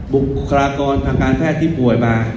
บุคลากรทางการแพทย์ที่ป่วยมา